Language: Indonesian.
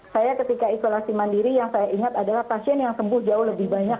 saya ketika isolasi mandiri yang saya ingat adalah pasien yang sembuh jauh lebih banyak